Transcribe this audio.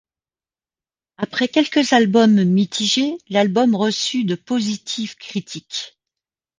Après quelques albums mitigés, l'album ' reçut de positives critiques.